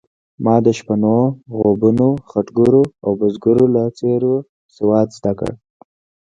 ما د شپنو، غوبنو، خټګرو او بزګرو له څېرو سواد زده کړ.